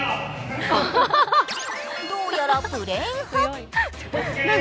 どうやらプレーン派。